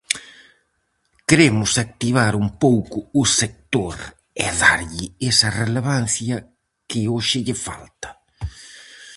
Queremos activar un pouco o sector e darlle esa relevancia que hoxe lle falta.